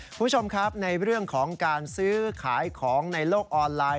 คุณผู้ชมครับในเรื่องของการซื้อขายของในโลกออนไลน์